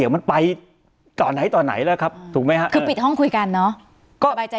มันไปต่อไหนต่อไหนแล้วครับถูกไหมฮะคือปิดห้องคุยกันเนอะก็บายใจ